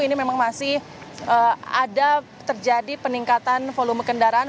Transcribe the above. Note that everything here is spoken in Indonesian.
ini memang masih ada terjadi peningkatan volume kendaraan